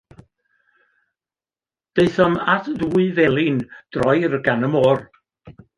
Daethom at ddwy felin droir gan y môr.